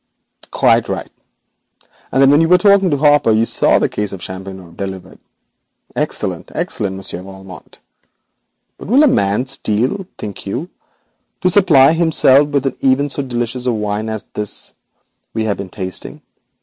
'Quite right, and then when you were talking to Hopper you saw that case of champagne delivered. Excellent! excellent! Monsieur Valmont. But will a man steal, think you, even to supply himself with so delicious a wine as this we have been tasting?